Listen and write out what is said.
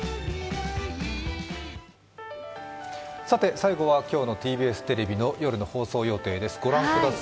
最後は今日のＴＢＳテレビの夜の放送予定です。